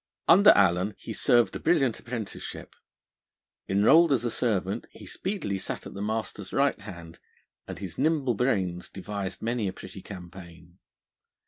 Under Allen he served a brilliant apprenticeship. Enrolled as a servant, he speedily sat at the master's right hand, and his nimble brains devised many a pretty campaign.